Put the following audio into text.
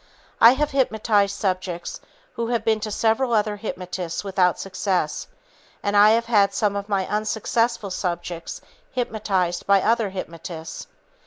I have hypnotized subjects who have been to several other hypnotists without success, and I have had some of my unsuccessful subjects hypnotized by other hypnotists.